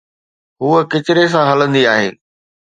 هوءَ ڪچري سان هلندي آهي.